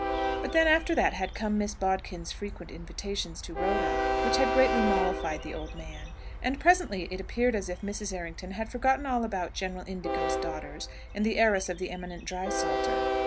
But then, after that, had come Miss Bodkin's frequent invitations to Rhoda, which had greatly mollified the old man. And presently it appeared as if Mrs. Errington had forgotten all about General Indigo's daughters, and the heiress of the eminent drysalter.